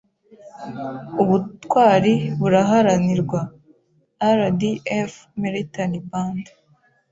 Ubutwari buraharanirwa; RDF- Military Band